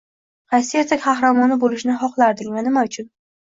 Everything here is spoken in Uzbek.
Qaysi ertak qahramoni bo‘lishni xohlarding va nima uchun?